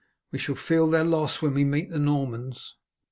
We shall feel their loss when we meet the Normans.